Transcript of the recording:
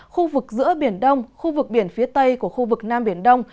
khu vực giữa biển đông khu vực biển phía tây của khu vực nam biển đông